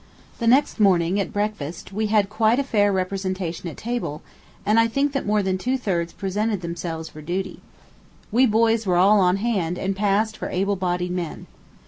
The next morning, at breakfast, we had quite a fair representation at table, and I think more than two thirds presented themselves for duty. We boys were all on hand, and passed for "able bodied men."